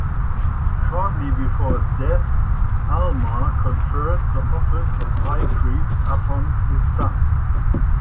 Shortly before his death, Alma conferred the office of high priest upon his son.